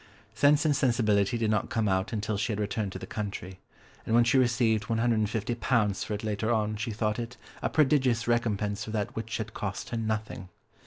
Sense and Sensibility did not come out until she had returned to the country, and when she received £150 for it later on, she thought it "a prodigious recompense for that which had cost her nothing."